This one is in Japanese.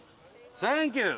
サンキュー！